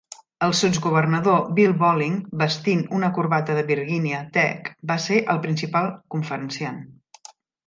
El Sotsgovernador Bill Bolling, vestint una corbata de Virginia Tech, va ser el principal conferenciant.